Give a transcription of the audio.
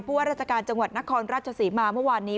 ว่าราชการจังหวัดนครราชศรีมาเมื่อวานนี้